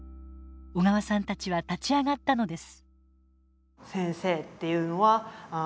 小川さんたちは立ち上がったのです。